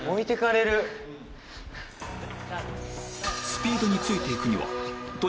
スピードについて行くにはうわ！